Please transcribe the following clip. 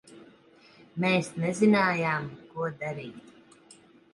Mēs nezinājām, ko darīt.